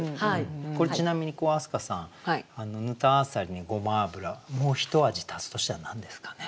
これちなみに明日香さんぬた浅蜊にごま油もうひと味足すとしたら何ですかね？